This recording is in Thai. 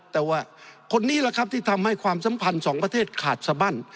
แต่ว่าคนนี้แหละครับที่ทำให้ความสัมพันธ์สองประเทศขาดสบั้น